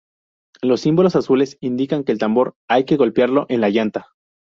Los símbolos azules indican que el tambor hay que golpearlo en la llanta.